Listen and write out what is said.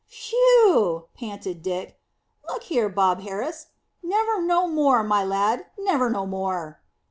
"Phew!" panted Dick. "Look here, Bob Harris never no more, my lad, never no more!"